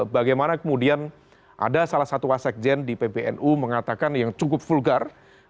bagaimana kemudian ada salah satu wasekjen di pbnu mengatakan yang cukup vulgar